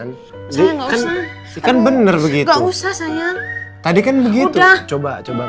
sakit sakit dan kecekan cek udah nggak usah kan bener gitu tadi kan begitu coba coba